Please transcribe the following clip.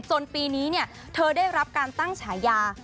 ปีนี้เธอได้รับการตั้งฉายา